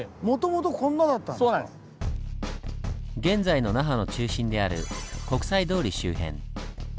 現在の那覇の中心である国際通り周辺。